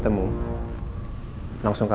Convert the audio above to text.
tepat di sekianter